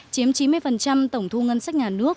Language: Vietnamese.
chiếm chín mươi tổng thu ngân sách nhà nước